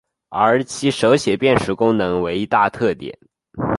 而其手写辨识功能为一大特点。